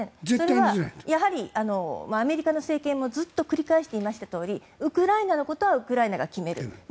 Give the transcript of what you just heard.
それはやはりアメリカの政権もずっと繰り返していましたとおりウクライナのことはウクライナが決める